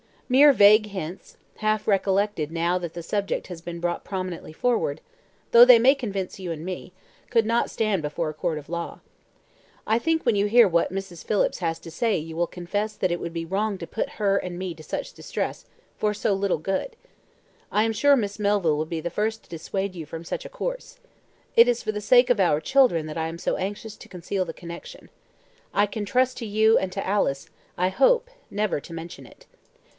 Mere vague hints, half recollected now that the subject has been brought prominently forward, though they may convince you and me, could not stand before a court of law. I think when you hear what Mrs. Phillips has to say you will confess that it would be wrong to put her and me to such distress, for so little good purpose. I am sure Miss Melville would be the first to dissuade you from such a course. It is for the sake of our children that I am so anxious to conceal the connection. I can trust to you and to Alice, I hope, never to mention it."